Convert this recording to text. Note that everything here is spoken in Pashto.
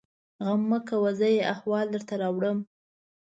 _غم مه کوه! زه يې احوال درته راوړم.